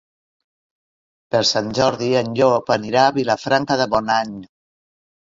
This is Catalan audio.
Per Sant Jordi en Llop anirà a Vilafranca de Bonany.